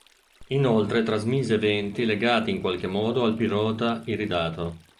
Inoltre trasmise eventi legati in qualche modo al pilota iridato.